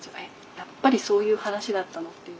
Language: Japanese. やっぱりそういう話だったのっていう